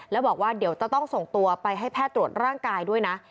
แล้วบอกว่าเดี๋ยวจะต้องส่งตัวไปให้แพทย์ตรวจร่างกายด้วยนะ